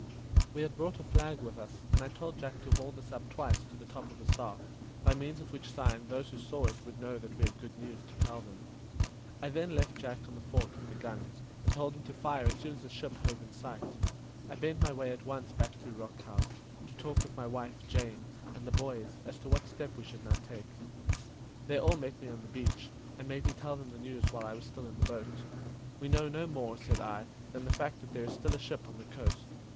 We had brought a flag with us, and I told Jack to haul this up twice to the top of the staff, by means of which sign those who saw it would know that we had good news to tell them. I then left Jack on the fort with the guns, and told him to fire as soon as a ship hove in sight. I bent my way at once back to Rock House, to talk with my wife, Jane, and the boys, as to what steps we should now take. They all met me on the beach, and made me tell them the news while I was still in the boat. "We know no more," said I, "than the fact that there is still a ship on the coast.